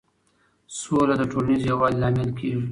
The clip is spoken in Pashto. سوله د ټولنیز یووالي لامل کېږي.